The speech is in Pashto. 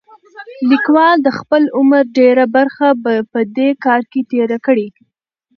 لیکوال د خپل عمر ډېره برخه په دې کار کې تېره کړې.